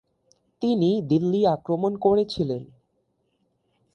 তিনি দিল্লি আক্রমণ করেছিলেন।